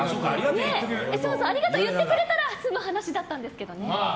ありがとう言ってくれてたらすむ話だったんですけどね。